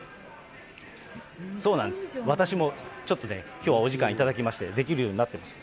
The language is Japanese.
そうなんです、私もちょっとね、きょうはお時間頂きまして、できるようになってます。